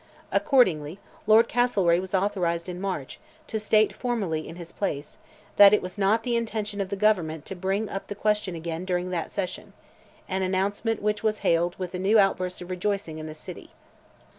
Accordingly, Lord Castlereagh was authorized in March, to state formally in his place, that it was not the intention of the government to bring up the question again during that session; an announcement which was hailed with a new outburst of rejoicing in the city.